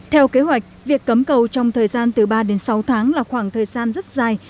theo kế hoạch việc cấm cầu trong thời gian từ ba đến sáu tháng là khoảng thời gian rất dài